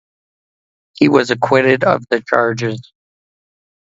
He was acquitted of the charges.